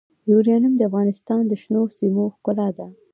یورانیم د افغانستان د شنو سیمو ښکلا ده.